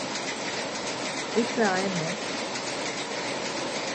いつ会えんの？